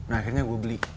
akhirnya gue beli